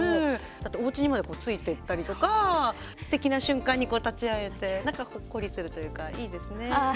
だって、おうちにまでついていったりとかすてきな瞬間に立ち会えてなんかほっこりするというかいいですね。